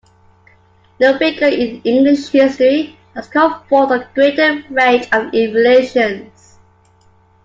No figure in English history has called forth a greater range of evaluations.